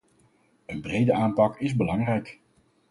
Een brede aanpak is belangrijk.